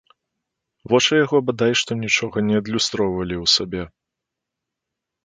Вочы яго бадай што нічога не адлюстроўвалі ў сабе.